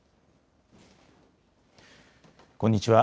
こんにちは。